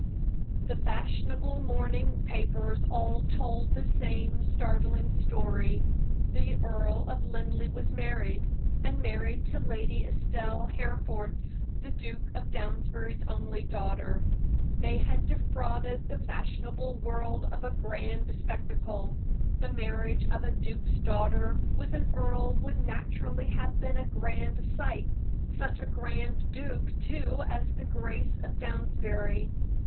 The fashionable morning papers all told the same startling story the Earl of Linleigh was married, and married to Lady Estelle Hereford, the Duke of Downsbury's only daughter. They had defrauded the fashionable world of a grand spectacle. The marriage of a duke's daughter with an earl would naturally have been a grand sight such a grand duke, too, as his Grace of Downsbury.